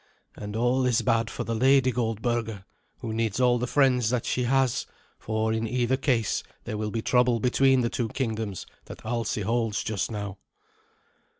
And all is bad for the Lady Goldberga, who needs all the friends that she has, for in either case there will be trouble between the two kingdoms that Alsi holds just now."